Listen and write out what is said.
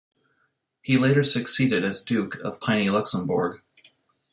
He later succeeded as Duke of Piney-Luxembourg.